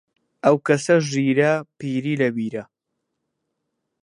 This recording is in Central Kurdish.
ئەو کەسە ژیرە، پیری لە بیرە